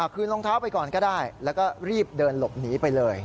คืนรองเท้าไปก่อนก็ได้แล้วก็รีบเดินหลบหนีไปเลย